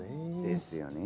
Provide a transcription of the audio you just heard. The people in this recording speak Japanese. ですよね。